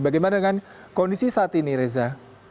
bagaimana dengan kondisi saat ini reza